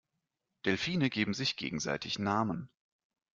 Delfine geben sich gegenseitig Namen.